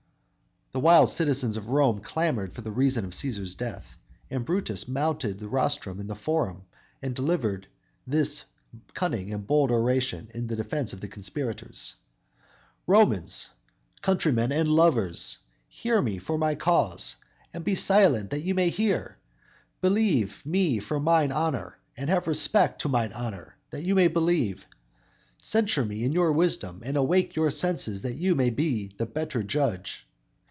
"_ The wild citizens of Rome clamored for the reason of Cæsar's death, and Brutus mounted the rostrum in the Forum and delivered this cunning and bold oration in defense of the conspirators: "Romans, countrymen and lovers, hear me for my cause, and be silent that ye may hear; believe me for mine honor, and have respect to mine honor, that you may believe; censure me in your wisdom, and awake your senses that you may the better judge.